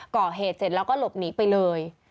ก่อเหตุเสร็จแล้วก็หลบหนีไปเลย